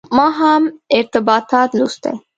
ما هم ارتباطات لوستي.